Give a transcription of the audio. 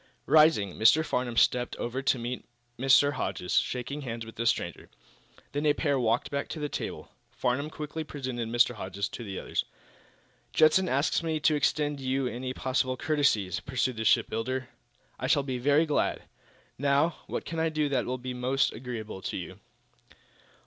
Rising, Mr. Farnum stepped over to meet Mr. Hodges, shaking hands with the stranger. Then the pair walked back to the table. Farnum quickly presented Mr. Hodges to the others. "Judson asks me to extend to you any possible courtesies," pursued the shipbuilder. "I shall be very glad. Now, what can I do that will be most agreeable to you?"